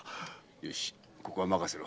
よしここはまかせろ。